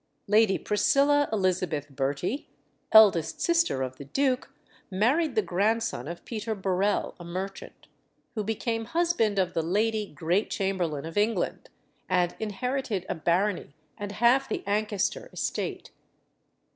Lady Priscilla Elizabeth Bertie, eldest sister of the duke, married the grandson of Peter Burrell, a merchant, who became husband of the Lady Great Chamberlain of England, and inherited a barony and half the Ancaster estate.